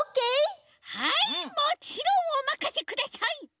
はいもちろんおまかせください！